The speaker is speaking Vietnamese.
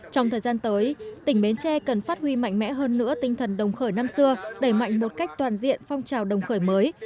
trong thời gian tới tỉnh bến tre cần phát huy mạnh mẽ hơn nữa tinh thần đồng khởi năm xưa đẩy mạnh một cách toàn diện phong trào đồng khởi mới